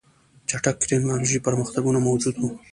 چټک ټکنالوژیکي پرمختګونه موجود وو